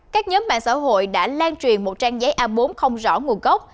các nhóm mạng xã hội đã lan truyền một trang giấy a bốn không rõ nguồn gốc